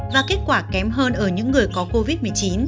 và kết quả kém hơn ở những người có covid một mươi chín